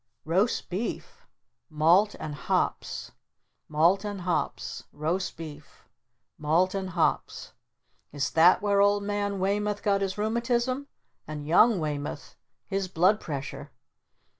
'Roast Beef'? 'Malt and Hops'? 'Malt and Hops'? 'Roast Beef'? 'Malt and Hops'? Is that where Old Man Weymoth got his rheumatism? And Young Weymoth his blood pressure?